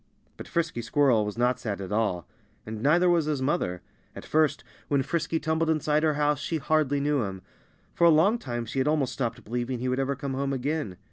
But Frisky Squirrel was not sad at all. And neither was his mother. At first, when Frisky tumbled inside her house she hardly knew him. For a long time she had almost stopped believing he would ever come home again.